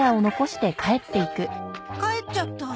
帰っちゃった。